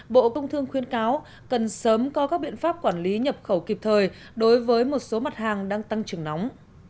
bộ công thương khuyến cáo cần sớm có các biện pháp quản lý nhập khẩu kịp thời đối với một số mặt hàng đang tăng trưởng nóng